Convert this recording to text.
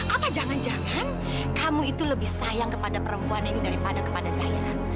apa jangan jangan kamu itu lebih sayang kepada perempuan ini daripada kepada zairan